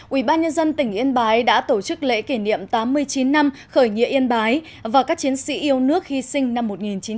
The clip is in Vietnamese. ubnd tỉnh yên bái đã tổ chức lễ kỷ niệm tám mươi chín năm khởi nghĩa yên bái và các chiến sĩ yêu nước hy sinh năm một nghìn chín trăm bảy mươi